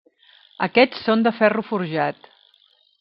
Aquests són de ferro forjat.